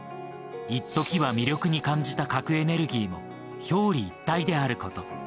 いっときは魅力に感じた核エネルギーも表裏一体であること。